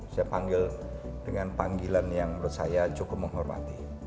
saya panggil dengan panggilan yang menurut saya cukup menghargai mereka semua